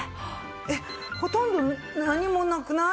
えっほとんど何もなくない？